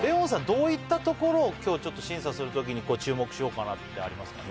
どういったところを今日審査するときに注目しようかなってありますか？